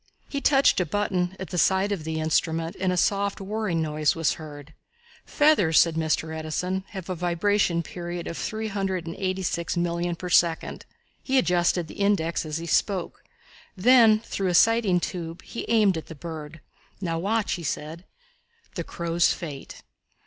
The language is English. He touched a button at the side of the instrument and a soft, whirring noise was heard. "Feathers," said Mr. Edison, "have a vibration period of three hundred and eighty six million per second." He adjusted the index as he spoke. Then, through a sighting tube, he aimed at the bird. "Now watch," he said. The Crow's Fate.